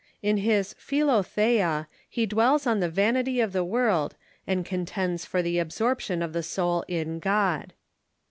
In his "Philotliea" he dwells on the vanity of the world, and contends for the absorption of the soul in God.